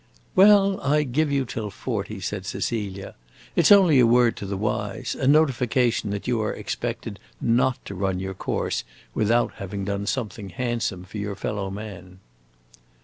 "Well, I give you till forty," said Cecilia. "It 's only a word to the wise, a notification that you are expected not to run your course without having done something handsome for your fellow men."